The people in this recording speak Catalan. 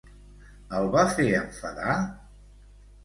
El va fer enfadar?